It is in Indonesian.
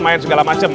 main segala macam